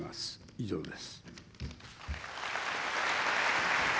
以上です。